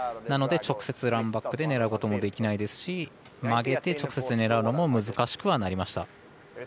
なので直接ランバックで狙うこともできないですし曲げて、直接狙うのも難しくはなりました。